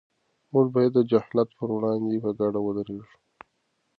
موږ باید د جهالت پر وړاندې په ګډه ودرېږو.